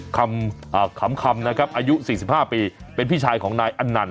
คำอ่าคำคำนะครับอายุสิบห้าปีเป็นพี่ชายของนายอันนั่น